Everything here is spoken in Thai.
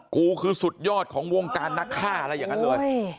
กูคือสุดยอดของวงการนักฆ่าอะไรอย่างนั้นเลย